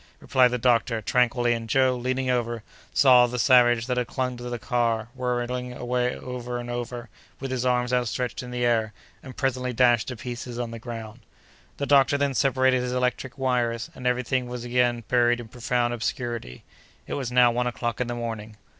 replied the doctor, tranquilly, and Joe, leaning over, saw the savage that had clung to the car whirling over and over, with his arms outstretched in the air, and presently dashed to pieces on the ground. The doctor then separated his electric wires, and every thing was again buried in profound obscurity. It was now one o'clock in the morning.